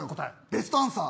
ベストアンサー。